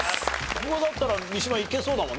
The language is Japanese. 国語だったら三島いけそうだもんな？